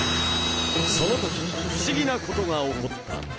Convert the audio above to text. そのとき不思議なことが起こった。